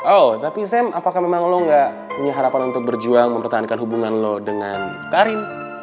oh tapi sam apakah memang lo gak punya harapan untuk berjuang mempertahankan hubungan lo dengan karin